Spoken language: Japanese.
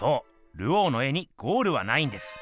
ルオーの絵にゴールはないんです。